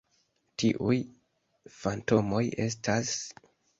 Tiuj fantomoj estas...